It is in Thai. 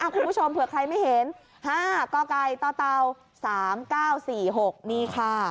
อ้าวคุณผู้ชมเผื่อใครไม่เห็น๕ก้าวไก่เต้า๓๙๔๖นี่ค่ะ